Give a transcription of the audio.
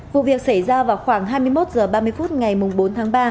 vụ việc xảy ra vào khoảng hai mươi một h ba mươi phút ngày bốn tháng ba